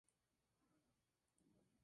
Tiene fuertes asociaciones con el Otro Mundo.